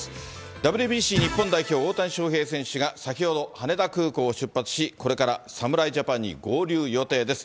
ＷＢＣ日本代表、大谷翔平選手が、先ほど羽田空港を出発し、これから侍ジャパンに合流予定です。